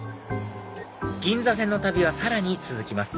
銀座線の旅はさらに続きます